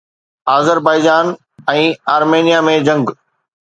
Azerbaijan ۽ Armenia ۾ جنگ